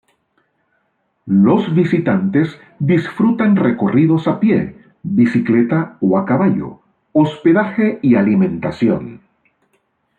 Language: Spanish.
Los visitantes disfrutan recorridos a pie, bicicleta o a caballo, hospedaje y alimentación.